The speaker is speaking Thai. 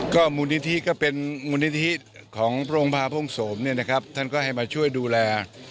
มูลนิธิก็เป็นมูลนิธิของพระองค์พาพงศมเนี่ยนะครับท่านก็ให้มาช่วยดูแล